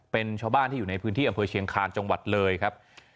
เป็นชาวบ้านที่อยู่ในพื้นที่อำเภอเชียงคาญจังหวัดเลยครับ